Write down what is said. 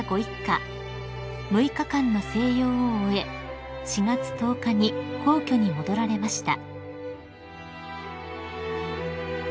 ［６日間の静養を終え４月１０日に皇居に戻られました］